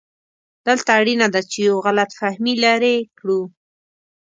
دلته اړینه ده چې یو غلط فهمي لرې کړو.